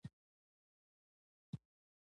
ورته ومي ویل: یا نې وینې .